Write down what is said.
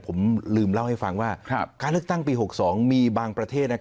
ผมลืมเล่าให้ฟังว่าการเลือกตั้งปี๖๒มีบางประเทศ